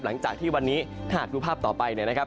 หลังจากที่วันนี้ถ้าหากดูภาพต่อไปเนี่ยนะครับ